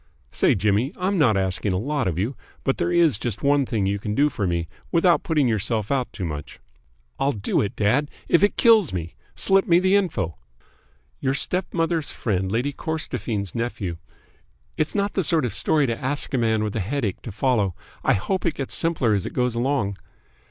Say, Jimmy, I'm not asking a lot of you, but there is just one thing you can do for me without putting yourself out too much." "I'll do it, dad, if it kills me. Slip me the info!" "Your stepmother's friend Lady Corstorphine's nephew ..." "It's not the sort of story to ask a man with a headache to follow. I hope it gets simpler as it goes along."